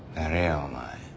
お前。